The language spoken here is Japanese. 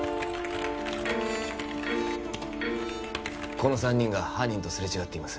この３人が犯人とすれ違っています